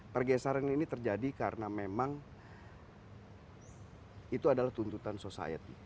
pergeseran ini terjadi karena memang itu adalah tuntutan society